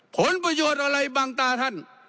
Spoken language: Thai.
ผลประโยชน์อะไรบางตาท่าน